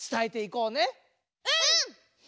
うん！